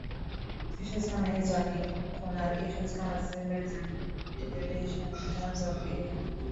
issues kama hizo ni kuna issues kama zile za degradation in terms of ee